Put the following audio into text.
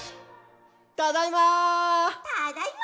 ただいま！